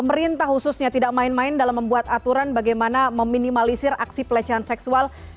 pemerintah khususnya tidak main main dalam membuat aturan bagaimana meminimalisir aksi pelecehan seksual